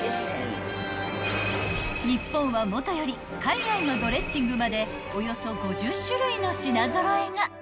［日本はもとより海外のドレッシングまでおよそ５０種類の品揃えが！］